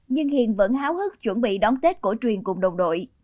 nhưng hiền vẫn háo hức chuẩn bị đón tết cổ truyền cùng đồng đội